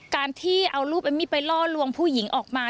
การที่เอารูปเอมมี่ไปล่อลวงผู้หญิงออกมา